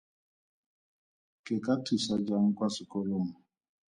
Ke ka thusa jang kwa sekolong.